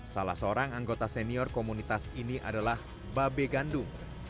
salah seorang anggota senior komunitas ini adalah babe gandung